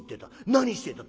『何してた？』